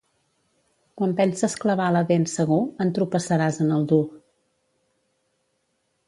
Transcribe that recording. Quan penses clavar la dent segur, entropessaràs en el dur.